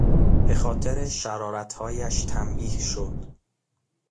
به خاطر شرارتهایش تنبیه شد.